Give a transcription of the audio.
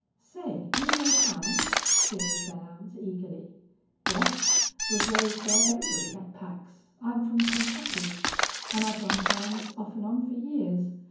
"Say, do you know hounds?" queried Belllounds, eagerly. "Yes. Was raised where everybody had packs. I'm from Kentucky. An' I've run hounds off an' on for years.